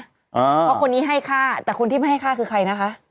เพราะคนนี้ให้ฆ่าแต่คนที่ไม่ให้ฆ่าคือใครนะคะ